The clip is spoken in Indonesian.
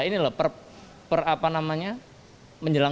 ini lah per apa namanya